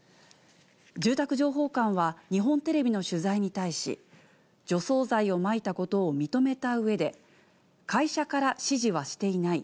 住宅情報館は、日本テレビの取材に対し、除草剤をまいたことを認めたうえで、会社から指示はしていない。